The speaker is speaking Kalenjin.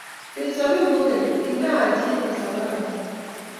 Kechobin kokeny, kime Haji eng kasaroe.